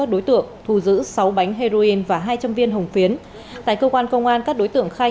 dựng thù giữ sáu bánh heroin và hai trăm linh viên hồng phiến tại cơ quan công an các đối tượng khai